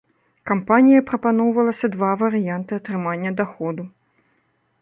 Кампаніяй прапаноўвалася два варыянты атрымання даходу.